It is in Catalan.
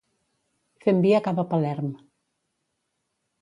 Fem via cap a Palerm.